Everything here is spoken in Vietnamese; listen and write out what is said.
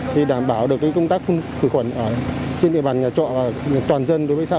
thì đảm bảo được cái công tác phun khử khuẩn trên địa bàn nhà trọ toàn dân đối với xã hồng thái